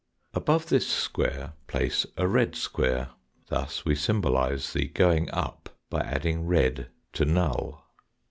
Above this square place a red square. Thus we symbolise the going up by adding red to null.